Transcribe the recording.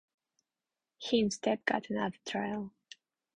He instead got another trial.